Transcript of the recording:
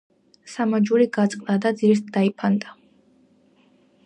სამაჯური გაწყდა და ძირს დაიფანტა